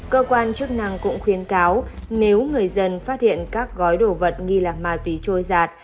cơ quan chức năng cũng khuyến cáo nếu người dân phát hiện các gói đồ vật nghi là ma túy trôi giạt